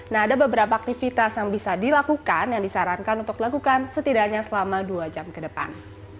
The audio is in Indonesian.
nah ada beberapa aktivitas yang bisa dilakukan yang disarankan untuk dilakukan setidaknya selama dua jam ke depan